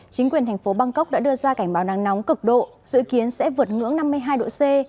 chính quyền thành phố bangkok đã đưa ra cảnh báo nắng nóng cực độ dự kiến sẽ vượt ngưỡng năm mươi hai độ c